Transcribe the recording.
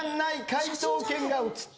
解答権が移った。